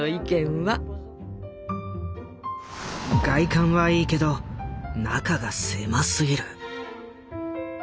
「外観はいいけど中が狭すぎる」。